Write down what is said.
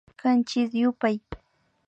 Kanchis yupay